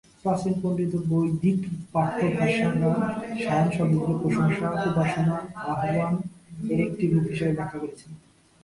প্রাচীন পণ্ডিত ও বৈদিক পাঠ্য ভাষ্যকার সায়ান শব্দটিকে "প্রশংসা, উপাসনা, আহ্বান" এর একটি রূপ হিসাবে ব্যাখ্যা করেছেন।